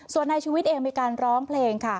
ส่วนนายชุวิตเองมีการร้องเพลงค่ะ